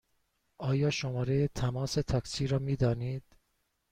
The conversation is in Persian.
آیا شماره تماس تاکسی را می دانید؟